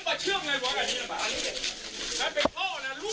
แค้นเหล็กเอาไว้บอกว่ากะจะฟาดลูกชายให้ตายเลยนะ